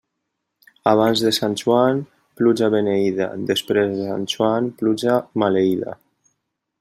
Abans de Sant Joan, pluja beneïda; després de Sant Joan, pluja maleïda.